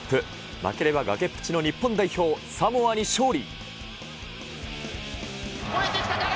負ければ崖っぷちの日本代表、サモアに勝利。